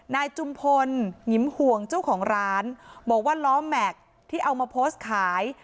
นายจุมพลหงิมห่วงเจ้าของร้านบอกว่าล้อแม็กซ์ที่เอามาโพสต์ขาย